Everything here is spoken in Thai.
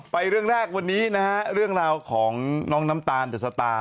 ไปเรื่องรากของน้องน้ำตาลเจสตาร์